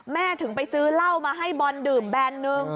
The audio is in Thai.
ถึงไปซื้อเหล้ามาให้บอลดื่มแบนนึง